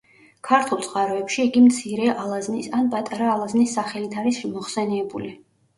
ქართულ წყაროებში იგი „მცირე ალაზნის“ ან „პატარა ალაზნის“ სახელით არის მოხსენიებული.